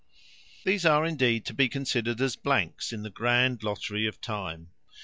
These are indeed to be considered as blanks in the grand lottery of time.